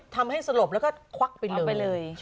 ทำให้สลบแล้วก็ควักไปเลย